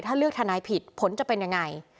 ถ้าเลือกทนายผิดผลจะเป็นยังไง